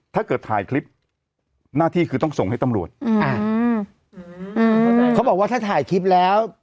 ถ้าเกิดถ่ายคลิปหน้าที่คือต้องส่งให้ตำรวจอืมอ่าอืมเขาบอกว่าถ้าถ่ายคลิปแล้ว